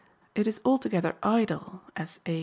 "It is altogether idle," as A.